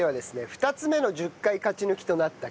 ２つ目の１０回勝ち抜きとなった。